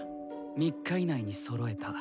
３日以内にそろえた。